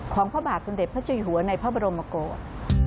พระบาทสมเด็จพระเจ้าอยู่หัวในพระบรมกฏ